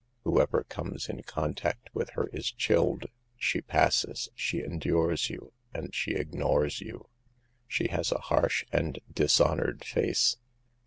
Whoever comes in contact with her is chilled. She passes, she endures you, and she ignores you ; she has a harsh and dishonored face.